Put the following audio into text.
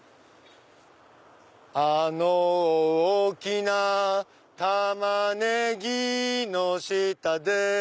あの大きな玉ねぎの下で